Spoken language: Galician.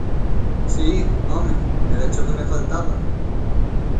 _Si, home, érache o que me faltaba.